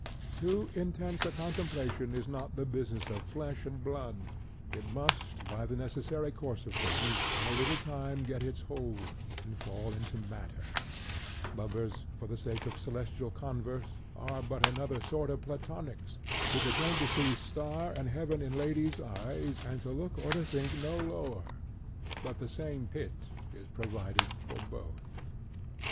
Too intense a contemplation is not the business of flesh and blood; it must, by the necessary course of things, in a little time let go its hold, and fall into matter. Lovers for the sake of celestial converse, are but another sort of Platonics, who pretend to see stars and heaven in ladies' eyes, and to look or think no lower; but the same pit is provided for both."